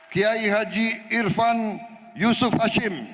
kiai haji irfan yusuf hashim putra pak ut